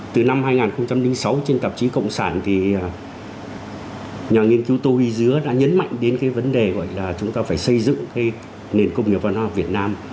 từ năm hai nghìn sáu trên tạp chí cộng sản thì nhà nghiên cứu tô huy dứa đã nhấn mạnh đến cái vấn đề gọi là chúng ta phải xây dựng cái nền công nghiệp văn hóa việt nam